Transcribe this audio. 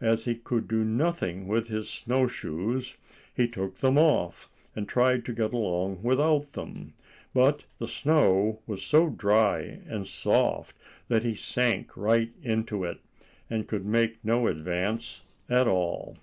As he could do nothing with his snow shoes, he took them off, and tried to get along without them; but the snow was so dry and soft that he sank right into it, and could make no advance at all.